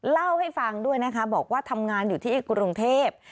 เล่าให้ฟังด้วยนะคะบอกว่าทำงานอยู่ที่กรุงเทพ